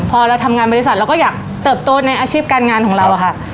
พอเราทำงานบริษัทเราก็อยากเติบโตในอาชีพการงานของเราอะค่ะ